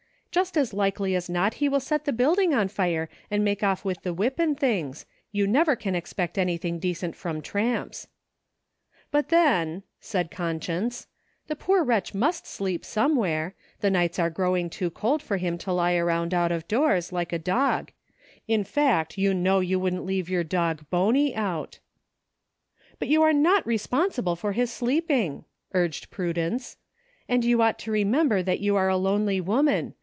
"Just as likely as not he will set the building on fire and make off with the whip and things ; you never can expect anything decent from tramps," "But then," said Conscience, "the poor wretch must sleep somewhere ; the nights are growing too cold for him to lie around out of doors, like a dog ; in fact, you know you wouldn't leave your dog Bony out." "But you are not responsible for his sleeping," urged Prudence; "and you ought to remember that you are a lonely woman.